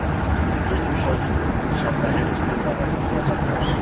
"Geçmiş olsun" dedi, "inşallah hepsi cezalarını bulacaklar…"